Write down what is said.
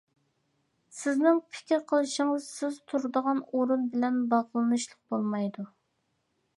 سىزنىڭ پىكىر قىلىشىڭىز سىز تۇرىدىغان ئورۇن بىلەن باغلىنىشلىق بولمايدۇ.